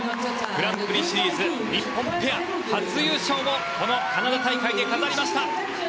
グランプリシリーズ日本ペア初優勝をこのカナダ大会で飾りました。